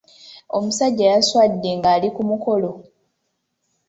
Omusajja yaswadde ng'ali ku mukolo.